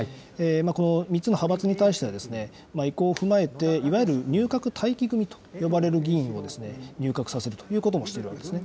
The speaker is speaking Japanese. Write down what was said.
この３つの派閥に対しては、意向を踏まえて、いわゆる入閣待機組と呼ばれる議員を入閣させるということもしているわけですね。